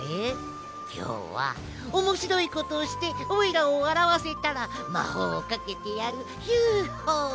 きょうはおもしろいことをしておいらをわらわせたらまほうをかけてやるヒュホ！